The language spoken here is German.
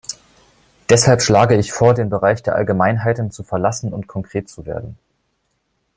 Deshalb schlage ich vor, den Bereich der Allgemeinheiten zu verlassen und konkret zu werden.